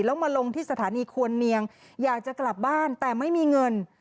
แล้วมาลงที่สถานีควรเนียงอยากจะกลับบ้านแต่ไม่มีเงิน